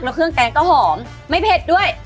แล้วเครื่องแกงก็หอมไม่เผ็ดด้วย